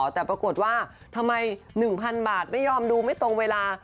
แต่ปรากฏว่าทำไม๑๐๐๐บาทไม่ยอมดูไม่ตรงเวลา